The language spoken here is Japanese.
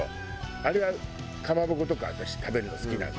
あれはかまぼことか私食べるの好きなんで。